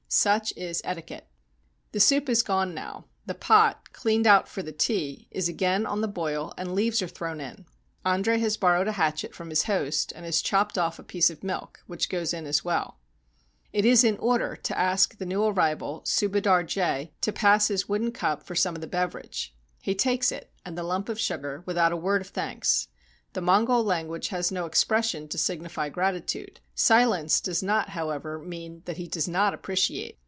Such is etiquette. The soup is gone now; the pot, cleaned out for the tea, is again on the boil and leaves are thrown in. Andre has borrowed a hatchet from his host, and has chopped off a piece of milk, which goes in as well. It is in order to ask the new arrival, Subadar Jay, to pass his wooden cup for some of the beverage. He takes it and the lump of sugar without a word of thanks. The Mongol language has no expression to signify gratitude. Silence does not, however, mean that he does not ap preciate.